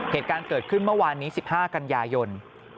เหตุการณ์เกิดขึ้นเมื่อวานนี้๑๕กันยายน